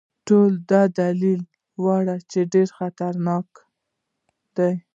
ټول دا دلایل یې راوړي چې ډېر خطرناک دی.